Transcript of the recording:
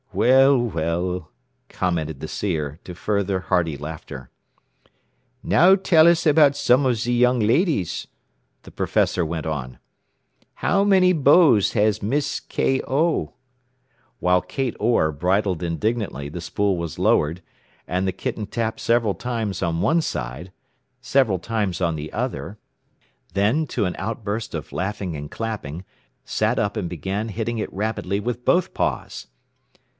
Well, well," commented the seer, to further hearty laughter. "Now tell us about some of ze young ladies," the professor went on. "How many beaux has Miss K. O.?" While Kate Orr bridled indignantly the spool was lowered, and the kitten tapped several times on one side, several times on the other, then, to an outburst of laughing and clapping, sat up and began hitting it rapidly with both paws.